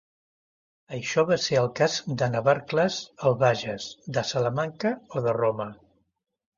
Això va ser el cas de Navarcles al Bages, de Salamanca, o de Roma.